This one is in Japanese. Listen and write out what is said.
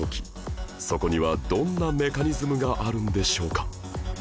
そこにはどんなメカニズムがあるんでしょうか？